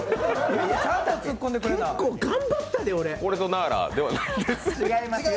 結構頑張ったで、俺。